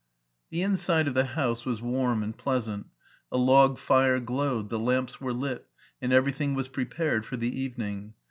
The inside of the house was warm and pleasant; a log fire glowed, the lamps were lit, and everything was prepared for the evening.